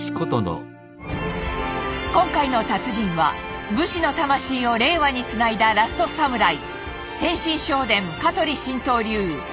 今回の達人は武士の魂を令和につないだラストサムライ！